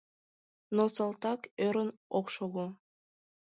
Но салтак ӧрын ок шого.